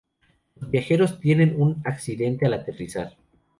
Los viajeros tienen un accidente al aterrizar.